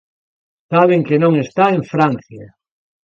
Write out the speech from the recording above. Saben que non está en Francia